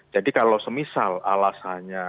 jadi kalau semisal alasannya